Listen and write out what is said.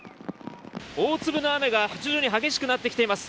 大粒の雨が徐々に激しくなってきています。